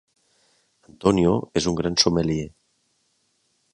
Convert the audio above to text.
Antonio és un gran sommelier.